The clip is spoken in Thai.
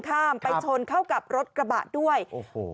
ข้ามไปชนเข้ากับรถกระบะด้วยโอ้โห